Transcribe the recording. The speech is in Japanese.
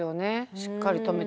しっかり留めて。